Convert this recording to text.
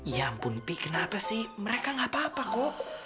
ya ampun pi kenapa sih mereka gak apa apa kok